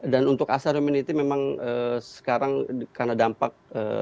dan untuk asal humanity memang sekarang karena dampak